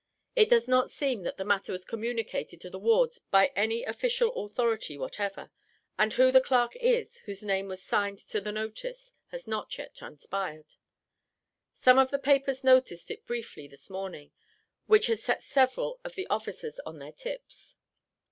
It does not seem that the matter was communicated to the wards by any official authority whatever, and who the "Clarke" is, whose name was signed to the notice, has not yet transpired. Some of the papers noticed it briefly this morning, which has set several of the officers on their tips.